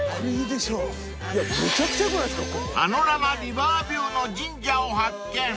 ［パノラマリバービューの神社を発見］